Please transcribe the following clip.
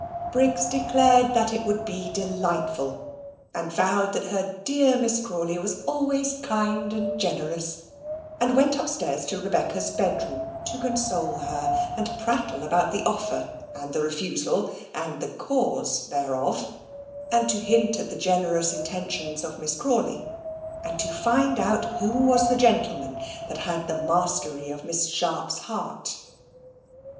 Briggs declared that it would be delightful, and vowed that her dear Miss Crawley was always kind and generous, and went up to Rebecca's bedroom to console her and prattle about the offer, and the refusal, and the cause thereof; and to hint at the generous intentions of Miss Crawley, and to find out who was the gentleman that had the mastery of Miss Sharp's heart.